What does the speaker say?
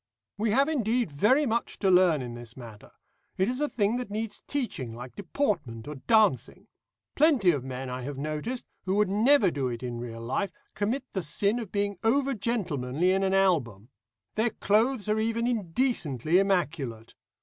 "We have indeed very much to learn in this matter. It is a thing that needs teaching, like deportment or dancing. Plenty of men I have noticed, who would never do it in real life, commit the sin of being over gentlemanly in an album. Their clothes are even indecently immaculate.